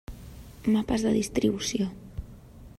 Mapes de distribució.